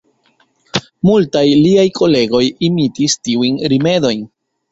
Multaj liaj kolegoj imitis tiujn rimedojn.